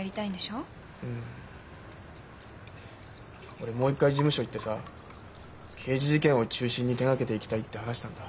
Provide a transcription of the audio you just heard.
俺もう一回事務所行ってさ刑事事件を中心に手がけていきたいって話したんだ。